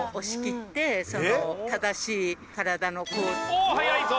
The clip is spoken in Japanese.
おお早いぞ！